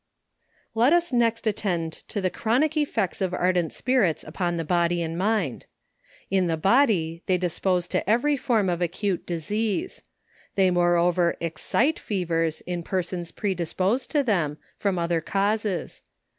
Let us next attend to the chronic effects of ardent spir its upon the body and mind. In the body, they dispose to every form of acute disease ; they moreover excite fe vers in persons predisposed to them, from other causes.